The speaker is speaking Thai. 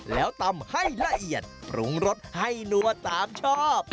แล้วตำให้ละเอียดปรุงรสให้นัวตามชอบ